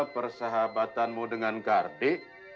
persahabatanmu dengan kardi